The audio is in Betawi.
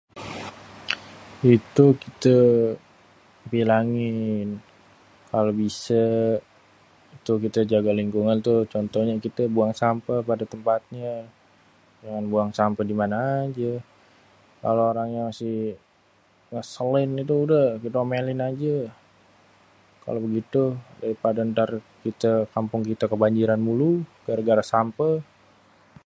Itu kite bilangin kalo bise tuh kite jaga lingkungan tuh contohnya kite buang sampeh pada tempatnye, jangan buang sampe dimane aje. Kalo orangnya masih ngeselin itu udeh kite omelin aje kalo begitu, dari pade entar kite kampung kite kebanjiran mulu gara-gara sampe.